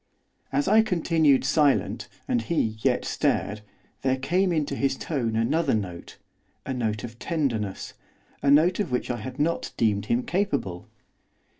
As I continued silent, and he yet stared, there came into his tone another note, a note of tenderness, a note of which I had not deemed him capable.